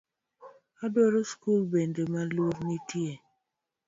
Adwaro sikul bende maluor nitie